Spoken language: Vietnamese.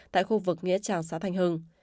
tại khu vực nghĩa tràng xã thanh hưng